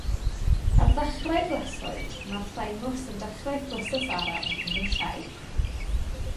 Ar ddechrau glasoed mae'r thymws yn dechrau proses araf o fynd yn llai.